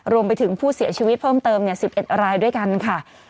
รวมไปถึงผู้เสียชีวิตเพิ่มเติมเนี่ยสิบเอ็ดรายด้วยกันค่ะ